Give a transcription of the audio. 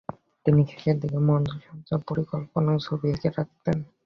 তিনি শেষের দিকে মঞ্চসজ্জার পরিকল্পনা ছবি এঁকে রাখতেন।